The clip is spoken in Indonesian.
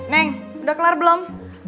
neng udah kelar belum